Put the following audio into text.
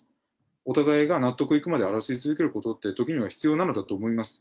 お互いが納得いくまで争い続けることって、時には必要なのだと思います。